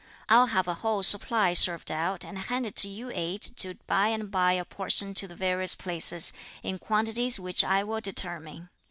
I'll have a whole supply served out and handed to you eight to by and by apportion to the various places, in quantities which I will determine.